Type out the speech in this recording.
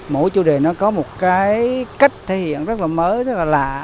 mỗi chủ đề nó có một cái cách thể hiện rất là mới rất là lạ